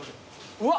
うわ。